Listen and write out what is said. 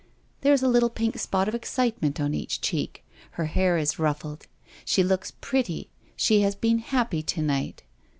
There is a little pink spot of excitement on each cheek; her hair is ruffled. She looks pretty, she has been happy to night.